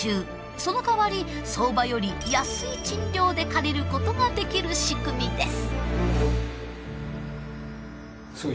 そのかわり相場より安い賃料で借りることができる仕組みです。